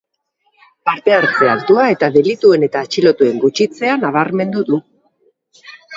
Parte-hartze altua eta delituen eta atxilotuen gutxitzea nabarmendu du.